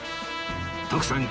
徳さん